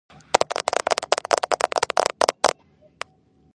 სირიის დამოუკიდებლობის მიღების შემდეგ გახდა გენერალური შტაბის უფროსი.